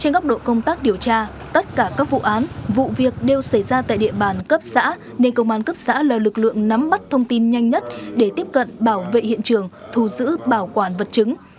trong góc độ công tác điều tra tất cả các vụ án vụ việc đều xảy ra tại địa bàn cấp xã nên công an cấp xã là lực lượng nắm mắt thông tin nhanh nhất để tiếp cận bảo vệ hiện trường thù giữ bảo quản vật chứng